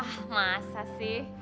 ah masa sih